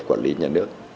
quản lý nhà nước